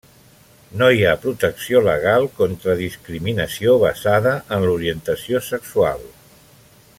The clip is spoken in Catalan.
No hi ha protecció legal contra discriminació basada en l'orientació sexual.